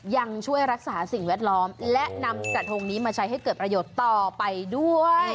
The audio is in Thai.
ยังช่วยรักษาสิ่งแวดล้อมและนำกระทงนี้มาใช้ให้เกิดประโยชน์ต่อไปด้วย